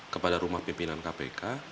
kepada rumah pimpinan kpk